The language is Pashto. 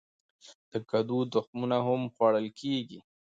د کدو تخمونه هم خوړل کیږي.